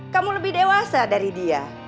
kamu lebih dewasa dari dia